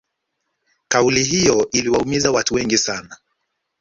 kauli hiyo iliwaumiza watu wengi sana